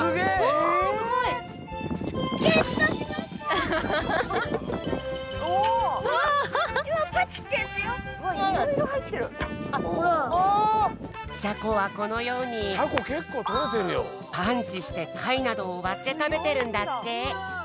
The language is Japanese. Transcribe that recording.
シャコはこのようにパンチしてかいなどをわってたべてるんだって！